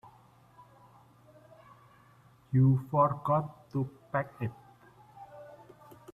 You forgot to pack it.